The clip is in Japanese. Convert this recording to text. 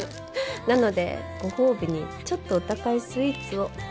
なのでご褒美にちょっとお高いスイーツを。